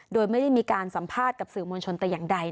โดยไม่ได้มีการสัมภาษณ์กับสื่อมวลชนแต่อย่างใด